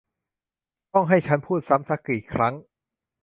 ต้องให้ฉันพูดซ้ำซะกี่ครั้ง !